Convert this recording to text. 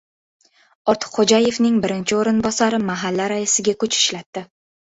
Ortiqxo‘jayevning birinchi o‘rinbosari mahalla raisiga kuch ishlatdi